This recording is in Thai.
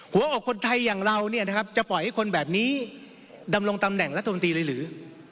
หัวอกคนไทยอย่างเราเนี่ยนะครับจะปล่อยให้คนแบบนี้ดำลงตำแหน่งระดับรัฐธรรมดีหรือ